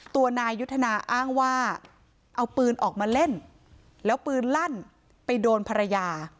ตัวนายยุทธนาอ้างว่าเอาปืนออกมาเล่นแล้วปืนลั่นไปโดนภรรยา